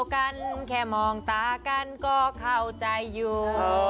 ใครมองตากันก็เข้าใจอยู่